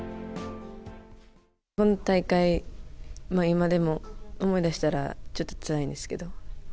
今大会、今でも思い出したら、ちょっとつらいんですけど。